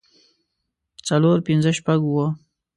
څلور پنځۀ شپږ اووه